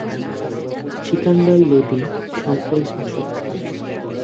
সিকান্দার লোদি সফল শাসক ছিলেন।